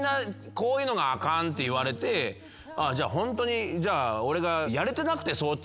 こういうのがあかんって言われてじゃあホントに俺が。